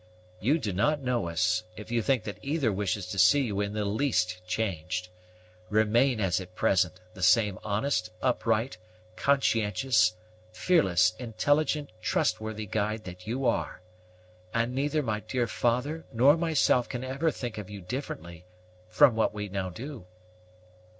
You do not know us, if you think that either wishes to see you in the least changed. Remain as at present, the same honest, upright, conscientious, fearless, intelligent, trustworthy guide that you are, and neither my dear father nor myself can ever think of you differently from what we now do."